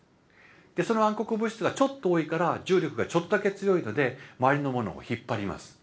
その暗黒物質がちょっと多いから重力がちょっとだけ強いので周りのものを引っ張ります。